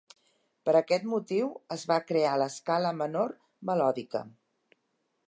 Per aquest motiu es va crear l'escala menor melòdica.